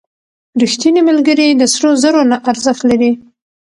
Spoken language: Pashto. • رښتینی ملګری د سرو زرو نه ارزښت لري.